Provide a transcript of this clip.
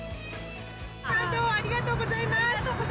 感動をありがとうございます！